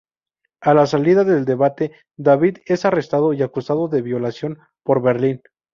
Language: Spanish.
A la salida del debate, David es arrestado y acusado de violación por Berlín.